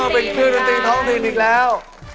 เป็นเครื่องดนตรีท้องถิ่นอีกแล้ว